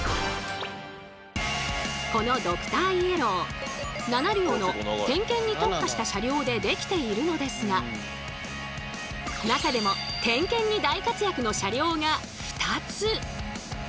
このドクターイエロー７両の点検に特化した車両で出来ているのですが中でも点検に大活躍の車両が２つ。